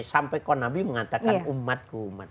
sampai kok nabi mengatakan umatku